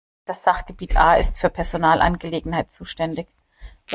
Das Sachgebiet A ist für Personalangelegenheiten zuständig.